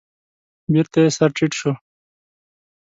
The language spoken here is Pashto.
بېرته يې سر تيټ شو.